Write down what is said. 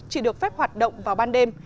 chỉ được phép hoạt động vào ban đêm